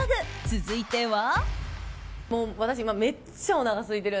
続いては。